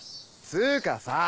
つうかさぁ。